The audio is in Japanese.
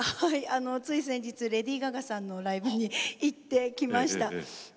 つい先日レディー・ガガさんのライブに行ってきました。